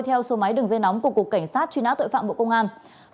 theo số máy đường dây nóng của cục cảnh sát truy nã tội phạm bộ công an